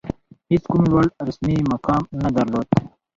هېڅ کوم لوړ رسمي مقام نه درلود.